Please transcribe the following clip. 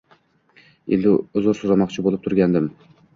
Endi uzr so‘ramoqchi bo‘lib turgandim